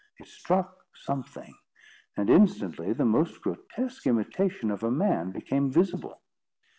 It struck something, and instantly the most grotesque imitation of a man became visible.